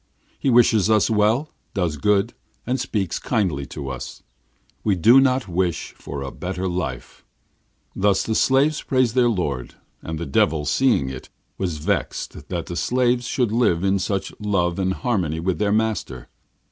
He wishes us well, does good, and speaks kindly to us. We do not wish for a better life.' Thus the slaves praised their lord, and the Devil, seeing it, was vexed that slaves should live in such love and harmony with their master.